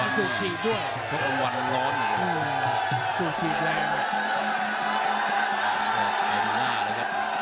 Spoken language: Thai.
เวลาหัวใจที่หลังพารงวารดูสูรจีบด้วย